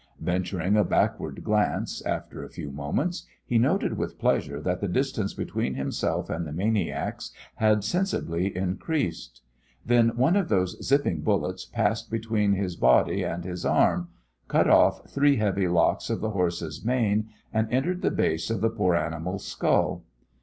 Venturing a backward glance, after a few moments, he noted with pleasure that the distance between himself and the maniacs had sensibly increased. Then one of those zipping bullets passed between his body and his arm, cut off three heavy locks of the horse's mane, and entered the base of the poor animal's skull.